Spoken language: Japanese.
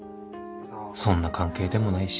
そんな関係でもないし